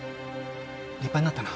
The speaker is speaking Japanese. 立派になったな。